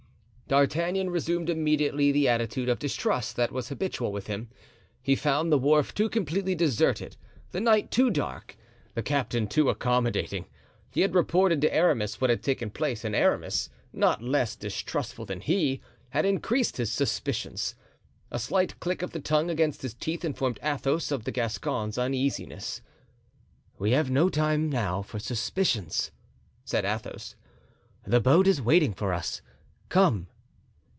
D'Artagnan resumed immediately the attitude of distrust that was habitual with him. He found the wharf too completely deserted, the night too dark, the captain too accommodating. He had reported to Aramis what had taken place, and Aramis, not less distrustful than he, had increased his suspicions. A slight click of the tongue against his teeth informed Athos of the Gascon's uneasiness. "We have no time now for suspicions," said Athos. "The boat is waiting for us; come."